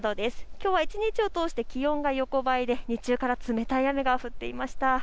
きょうは一日を通して気温が横ばいで日中から冷たい雨が降っていました。